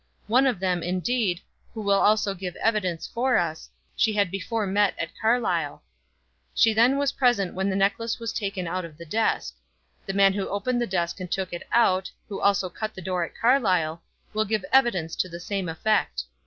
One of them, indeed, who will also give evidence for us, she had before met at Carlisle. She then was present when the necklace was taken out of the desk. The man who opened the desk and took it out, who also cut the door at Carlisle, will give evidence to the same effect.